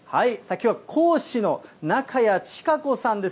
きょうは講師の中矢千賀子さんです。